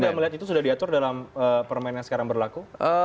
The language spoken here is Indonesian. anda melihat itu sudah diatur dalam permainan yang sekarang berlaku